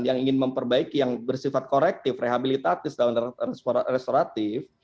yang ingin memperbaiki yang bersifat korektif rehabilitatif dan restoratif